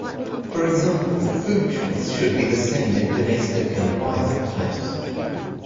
For example, food choice should be the same in domestic and wild types.